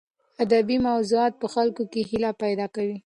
ادبي موضوعات په خلکو کې هیله پیدا کوي.